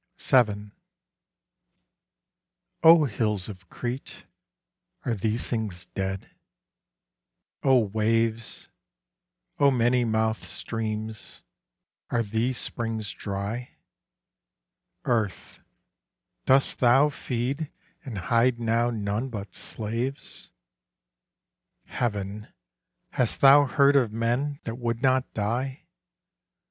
7 O hills of Crete, are these things dead? O waves, O many mouthed streams, are these springs dry? Earth, dost thou feed and hide now none but slaves? Heaven, hast thou heard of men that would not die?